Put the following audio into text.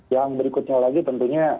yang berikutnya lagi tentunya